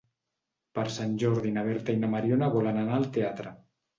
Per Sant Jordi na Berta i na Mariona volen anar al teatre.